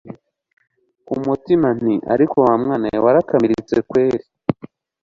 kumutima nti ariko wamwana we warakamiritse kweli!